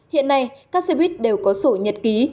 hiện nay các xe buýt đều có sổ nhật ký